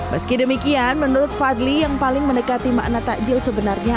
meski demikian menurut fadli yang paling mendekati makna takjil sebenarnya